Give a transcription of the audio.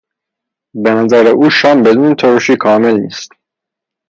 به نظر او شام بدون ترشی کامل نیست.